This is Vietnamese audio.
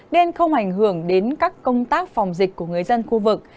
nên không ảnh hưởng đến các công tác phòng dịch của người dân khu vực